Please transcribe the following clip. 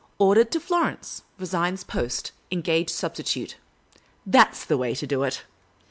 Ordered to Florence. Resigns post. Engage substitute.' That ' s the way to do it."